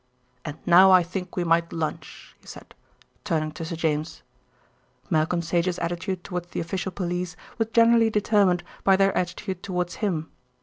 And now I think we might lunch," he said, turning to Sir James. Malcolm Sage's attitude towards the official police was generally determined by their attitude towards him.